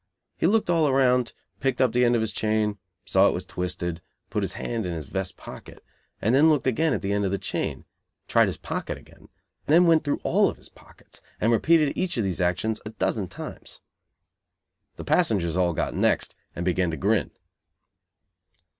He looked all around, picked up the end of his chain, saw it was twisted, put his hand in his vest pocket, then looked again at the end of the chain, tried his pocket again, then went through all of his pockets, and repeated each of these actions a dozen times. The passengers all got "next," and began to grin.